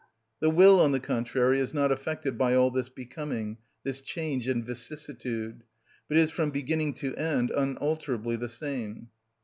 The will, on the contrary, is not affected by all this becoming, this change and vicissitude, but is from beginning to end unalterably the same.